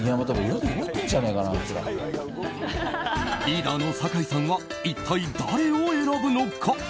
リーダーの酒井さんは一体誰を選ぶのか。